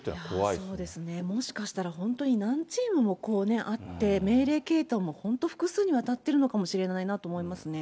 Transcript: そうですね、もしかしたら、本当に何チームもあって、命令系統も本当に複数にわたってるのかもしれないなと思いますね。